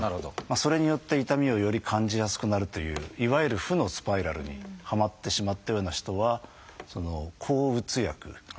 それによって痛みをより感じやすくなるといういわゆる負のスパイラルにはまってしまったような人は抗うつ薬気分を変えるような薬。